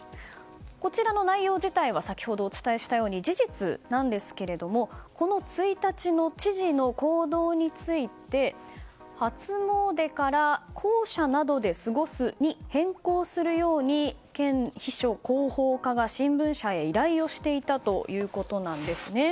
こちらの内容自体は先ほど、お伝えしたように事実なんですけどもこの１日の知事の行動について初詣から、公舎などで過ごすに変更するように県秘書広報課が新聞社へ依頼をしていたということです。